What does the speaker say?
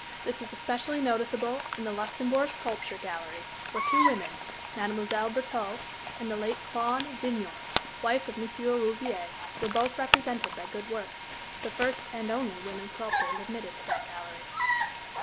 This was especially noticeable in the Luxembourg Sculpture Gallery, where two women, Mme. Bertaux and the late Claude Vignon, wife of M. Rouvier, were both represented by good work the first and only women sculptors admitted to that gallery.